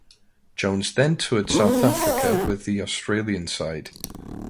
Jones then toured South Africa with the Australian side.